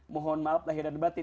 mohon maaf lahir dan batin